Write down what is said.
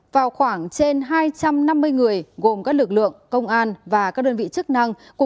vào khoảng trên hai trăm năm mươi người gồm các lực lượng công an và các đơn vị chức năng